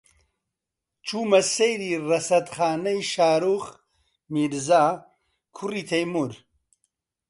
چوومە سەیری ڕەسەدخانەی شاروخ میرزا، کوڕی تەیموور